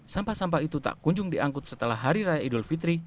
sampah sampah itu tak kunjung diangkut setelah hari raya idul fitri